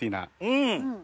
うん！